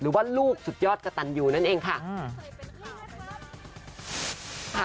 หรือว่าลูกสุดยอดกะตันยูนั่นเองค่ะ